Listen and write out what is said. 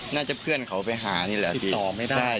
น่าจะเพื่อนเขาไปหานี่เหล้านี่